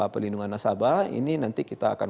perlindungan nasabah ini nanti kita akan